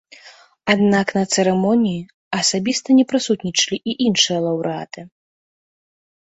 Аднак на цырымоніі асабіста не прысутнічалі і іншыя лаўрэаты.